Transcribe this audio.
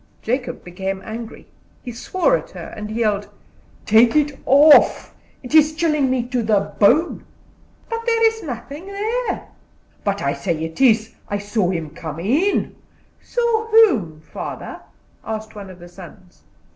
Jacob became angry, he swore at her, and yelled: "Take it off; it is chilling me to the bone." "There is nothing there." "But I say it is. I saw him come in " "Saw whom, father?" asked one of the sons.